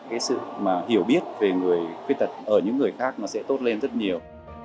cái sự hiểu biết về người quyết tật ở những người khác sẽ tốt lên rất nhiều